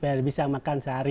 saya tidak bisa makan sehari